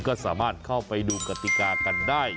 ก็สามารถเข้าไปดูกติกากันได้